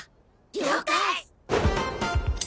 了解！